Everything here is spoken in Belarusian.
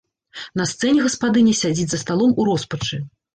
На сцэне гаспадыня сядзіць за сталом у роспачы.